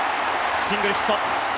シングルヒット。